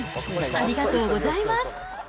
ありがとうございます。